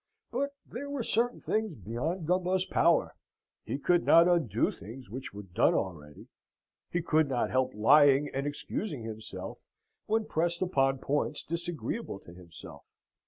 But there were certain things beyond Gumbo's power. He could not undo things which were done already; and he could not help lying and excusing himself when pressed upon points disagreeable to himself.